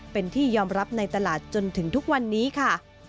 เป็นที่ยอมรับในตลาดจนถึงทุกวันนี้ค่ะ